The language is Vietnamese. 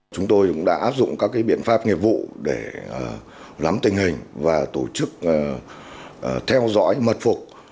chúng tôi cũng đã áp dụng các biện pháp nghiệp vụ để nắm tình hình và tổ chức theo dõi mật phục